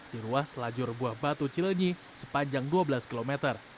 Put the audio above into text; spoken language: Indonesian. di ruas lajur buah batu cilenyi sepanjang dua belas km